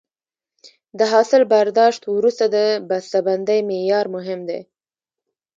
د حاصل برداشت وروسته د بسته بندۍ معیار مهم دی.